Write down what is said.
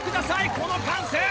この歓声。